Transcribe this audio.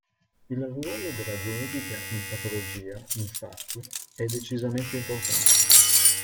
Il ruolo della genetica in patologia, infatti, è decisamente importante.